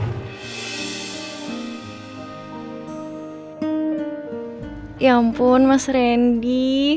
ya ampun mas randy